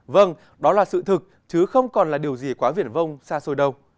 vâng đó là sự thực chứ không còn là điều gì quá việt vông xa xôi đâu